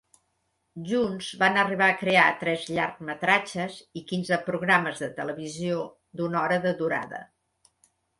Junts van arribar a crear tres llargmetratges i quinze programes de televisió d'una hora de durada.